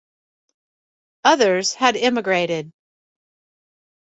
Others had emigrated.